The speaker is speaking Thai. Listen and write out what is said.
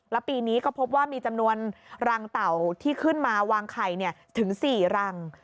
แล้วปีนี้ก็พบว่ามีจำนวนรังเต่าที่ขึ้นมาวางไข่ถึง๔รัง